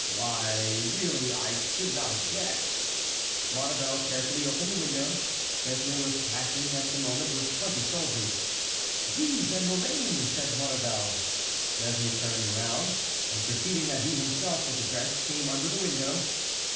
"Why, really, I should not object." Maurevel carefully opened the window; Besme was passing at the moment with twenty soldiers. "Guise and Lorraine!" said Maurevel. Besme turned round, and perceiving that he himself was addressed, came under the window.